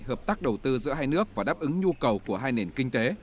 hợp tác đầu tư giữa hai nước và đáp ứng nhu cầu của hai nền kinh tế